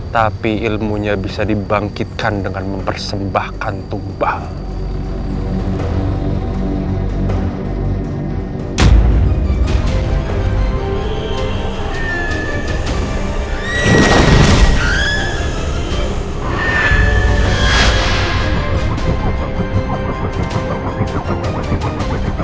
tapi ilmunya bisa dibangkitkan dengan mempersembahkan tumbang